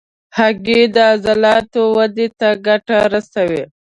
هګۍ د عضلاتو ودې ته ګټه رسوي.